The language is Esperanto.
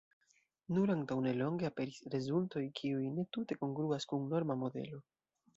Nur antaŭnelonge aperis rezultoj kiuj ne tute kongruas kun norma modelo.